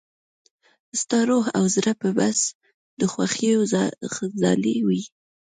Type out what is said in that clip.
ستا روح او زړه به بس د خوښيو ځالې وي.